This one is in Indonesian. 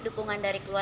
buat masyarakat dki